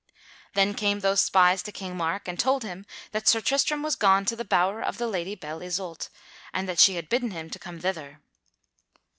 Then came those spies to King Mark and told him that Sir Tristram was gone to the bower of the Lady Belle Isoult, and that she had bidden him to come thither.